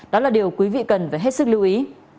đó là điều quý vị cần phải hết sức lưu ý